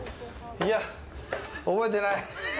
いや、覚えてない。